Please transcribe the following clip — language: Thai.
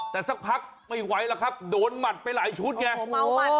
แต่สักพักไม่ไหวแล้วครับโดนหมัดไปหลายชุดไง